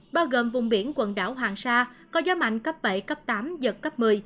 bao gồm vùng biển quần đảo hoàng sa có gió mạnh cấp bảy cấp tám giật cấp một mươi